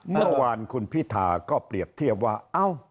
เมื่อวานคุณพิธาก็เปรียบเทียบว่า